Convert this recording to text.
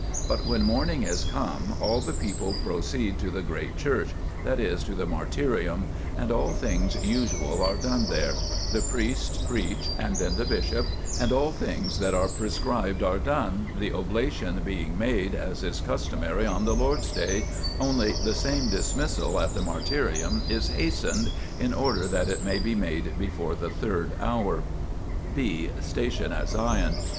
But when morning is come, all the people proceed to the great church, that is, to the martyrium, and all things usual are done there ; the priests preach and then the bishop, and all things that are prescribed are done, the oblation being made, as is customary on the Lord's Day, only the same dismissal 1 in the martyrium is hastened, in order that it may be made before the third hour. (&) Station at Sion.